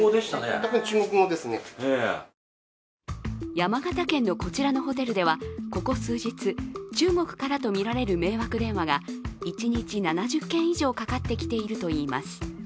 山形県のこちらのホテルでは、ここ数日、中国からとみられる迷惑電話が１日７０件以上かかってきているといいます。